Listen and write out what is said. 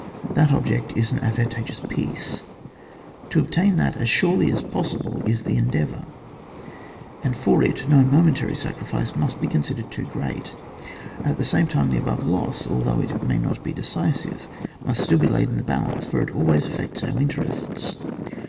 That object is an advantageous peace. To obtain that as surely as possible is the endea vour, and for it no momentary sacrifice must he considered too great. At the same time, the above loss, although it may not be decisive, must still be laid in the balance, for it always affects our in terests.